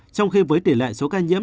trong khi với tỷ lệ số ca nhiễm